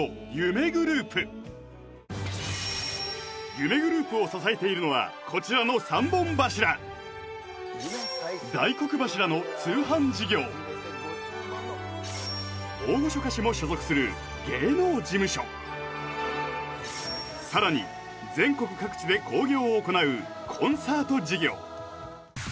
夢グループを支えているのはこちらの３本柱大黒柱の通販事業大御所歌手も所属する芸能事務所さらに全国各地で興行を行うコンサート事業